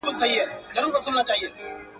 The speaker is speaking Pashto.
دا احسان دي لا پر ځان نه دی منلی.